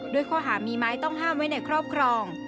ด้วยข้อหามีไม้ต้องห้ามไว้ในครอบครอง